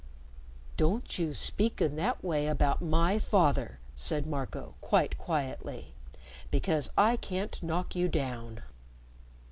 "Don't you speak in that way about my father," said Marco, quite quietly, "because I can't knock you down."